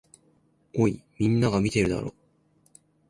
おい、みんなが見てるだろ。